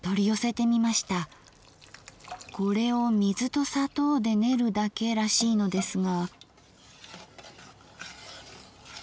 これを水と砂糖で練るだけらしいのですが？